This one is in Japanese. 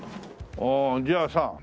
ああじゃあさ